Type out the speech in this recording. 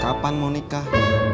kapan mau nikah